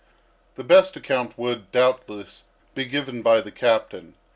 The best account would, doubtless, be given by the captain.